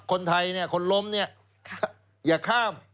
คนไทยคนล้มเนี่ยอย่าข้าม